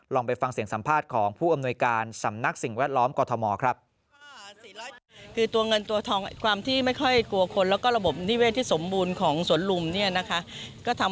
ลองไปฟังเสียงสัมภาษณ์ของผู้อำนวยการสำนักสิ่งแวดล้อมกรทมครับ